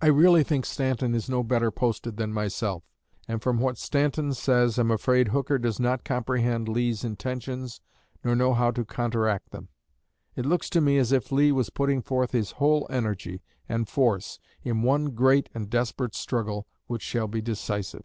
I really think Stanton is no better posted than myself, and from what Stanton says am afraid Hooker does not comprehend Lee's intentions nor know how to counteract them. It looks to me as if Lee was putting forth his whole energy and force in one great and desperate struggle which shall be decisive."